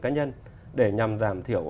cá nhân để nhằm giảm thiểu